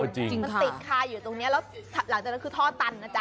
มันติดคาอยู่ตรงนี้แล้วหลังจากนั้นคือท่อตันนะจ๊